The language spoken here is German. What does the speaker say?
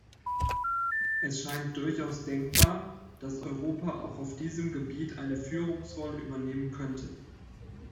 Es scheint durchaus denkbar, dass Europa auch auf diesem Gebiet eine Führungsrolle übernehmen könnte.